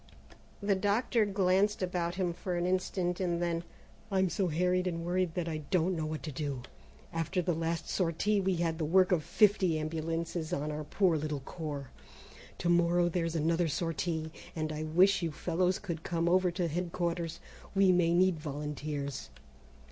The doctor glanced about him for an instant, and then: "I'm so harried and worried that I don't know what to do. After the last sortie we had the work of fifty ambulances on our poor little corps. To morrow there's another sortie, and I wish you fellows could come over to headquarters. We may need volunteers.